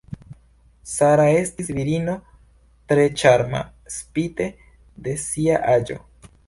Sara estis virino tre ĉarma spite de sia aĝo.